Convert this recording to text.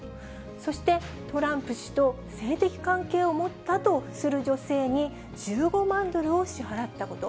そして、トランプ氏と性的関係を持ったとする女性に１５万ドルを支払ったこと。